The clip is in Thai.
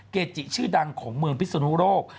เกจิชื่อดังของเมืองพิศนุโรค